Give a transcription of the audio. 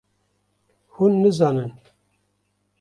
hûn nizanin.